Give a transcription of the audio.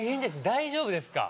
大丈夫ですか？